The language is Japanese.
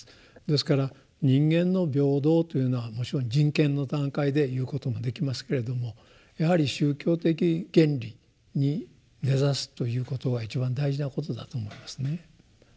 ですから人間の平等というのはむしろ人権の段階で言うこともできますけれどもやはり宗教的原理に根ざすということは一番大事なことだと思いますね。